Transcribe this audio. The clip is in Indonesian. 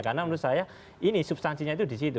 karena menurut saya ini substansinya itu di situ